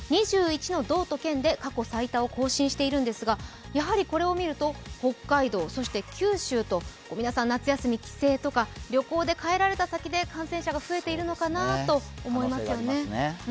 ２１の道と県で過去最多を更新していますが九州と皆さん、夏休み、帰省とか旅行で帰られた先で感染者が増えているのかなと思いますよね。